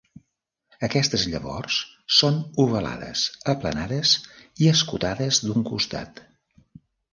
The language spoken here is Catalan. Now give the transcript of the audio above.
Aquestes llavors són ovalades, aplanades i escotades d'un costat.